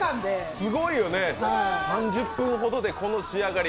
すごいよね、３０分ほどでこの仕上がり。